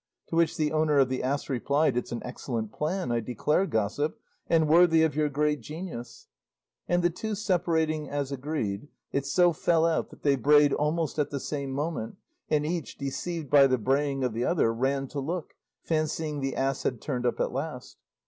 To which the owner of the ass replied, 'It's an excellent plan, I declare, gossip, and worthy of your great genius;' and the two separating as agreed, it so fell out that they brayed almost at the same moment, and each, deceived by the braying of the other, ran to look, fancying the ass had turned up at last.